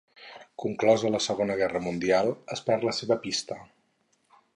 Conclosa la Segona Guerra Mundial, es perd la seva pista.